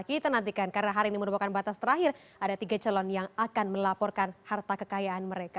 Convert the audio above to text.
kita nantikan karena hari ini merupakan batas terakhir ada tiga calon yang akan melaporkan harta kekayaan mereka